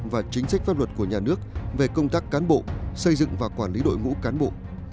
và chính sách pháp luật của nhà nước về công tác cán bộ xây dựng và quản lý đội ngũ cán bộ